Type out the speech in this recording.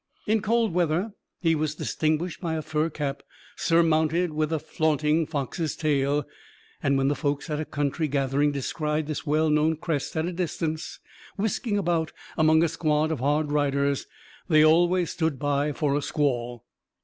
In cold weather, he was distinguished by a fur cap, surmounted with a flaunting fox's tail; and when the folks at a country gathering descried this well known crest at a distance, whisking about among a squad of hard riders, they always stood by for a squall.